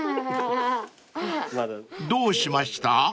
［どうしました？］